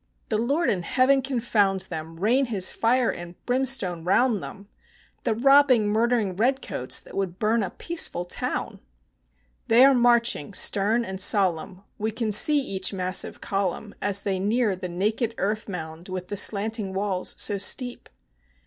The Lord in heaven confound them, rain his fire and brimstone round them, The robbing, murdering red coats, that would burn a peaceful town! They are marching, stern and solemn; we can see each massive column As they near the naked earth mound with the slanting walls so steep.